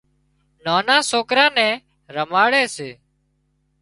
نانان سوڪران نين رماڙي سي